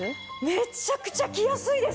めちゃくちゃ着やすいです！